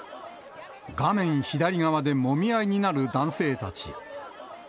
画面左側でもみ合いになる男性たち。